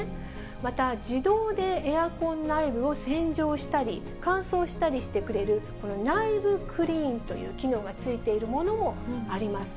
また、自動でエアコン内部を洗浄したり乾燥したりしてくれる、この内部クリーンという機能がついているものもあります。